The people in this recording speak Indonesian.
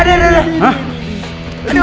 aduh aduh aduh